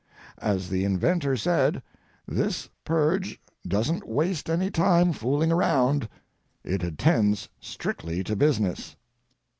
As the inventor said, "This purge doesn't waste any time fooling around; it attends strictly to business."